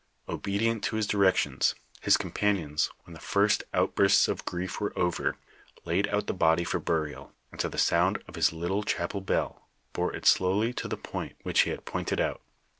Obedient to his directions his com panions, when the first outbursts of grief were over, laid out the body for burial, and to the sound of his little chapel bell, bore it slowly to the point which he had pointed out.